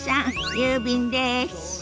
郵便です。